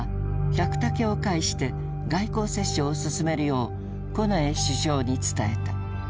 百武を介して外交折衝を進めるよう近衛首相に伝えた。